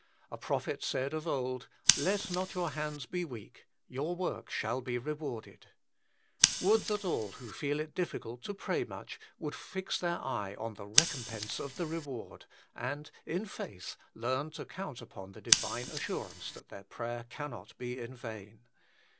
A prophet said of old: "Let not your hands be weak ; your work shall be rewarded." Would that all who feel it difficult to pray much, would fix their eye on the recompense of the reward, and in faith learn to count upon the Divine assurance that their prayer cannot be vain.